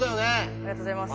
ありがとうございます。